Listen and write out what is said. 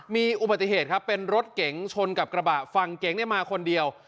มีอุบัติเหตุเป็นรถเก๋งชนกับกระบะฟังเก๋งมาคนเดียว